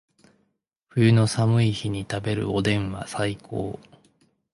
冬の寒い日に食べるおでんは最高